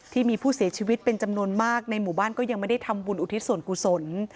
ที่มีผู้เสียชีวิตเป็นจำนวนมากในหมู่บ้านก็ยังไม่ได้ทำบุญอุทิศส่วนกุศล